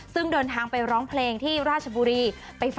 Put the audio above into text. ซึ่งเดินทางไปร้องเพลงที่ราชบุรี